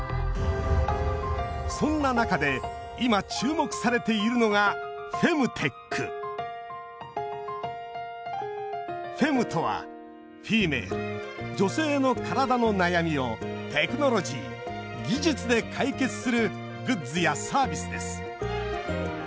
そんな中で今注目されているのがフェムとはＦｅｍａｌｅ女性の体の悩みをＴｅｃｈｎｏｌｏｇｙ技術で解決するグッズやサービスです